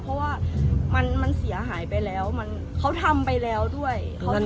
เพราะว่ามันเสียหายไปแล้วเขาทำไปแล้วด้วย